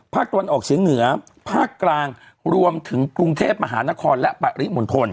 ภาคตัวนอกเฉียงเหนือภาคกลางรวมถึงกรุงเทพฯมหานครและปริหมุนทน